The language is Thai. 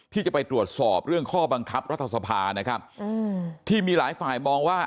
ที่จะไปตรวจสอบเรื่องข้อบังคับรัฐสภานะครับที่มีหลายฝ่ายมองว่า